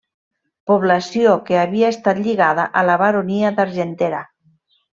Població que havia estat lligada a la baronia d'Argentera.